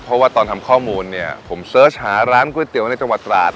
เพราะว่าตอนทำข้อมูลเนี่ยผมเสิร์ชหาร้านก๋วยเตี๋ยวในจังหวัดตราด